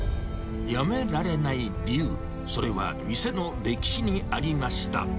やめられない理由、それは店の歴史にありました。